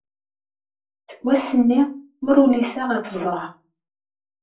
Seg wass-nni ur uliseɣ ad t-ẓreɣ.